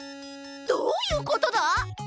どういうことだ？